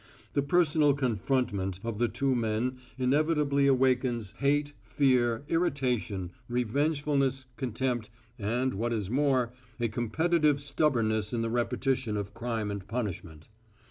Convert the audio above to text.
The personal confrontment of the two men inevitably awakens hate, fear, irritation, revengefulness, contempt, and what is more, a competitive stubbornness in the repetition of crime and punishment.